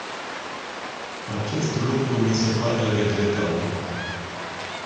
Acest lucru mi se pare regretabil.